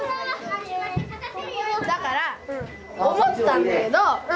だから思ったんだけど。